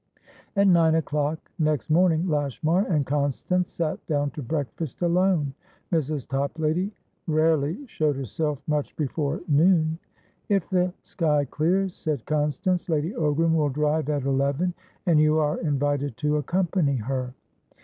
At nine o'clock next morning, Lashmar and Constance sat down to breakfast alone. Mrs. Toplady rarely showed herself much before noon. "If the sky clears," said Constance, "Lady Ogram will drive at eleven, and you are invited to accompany her."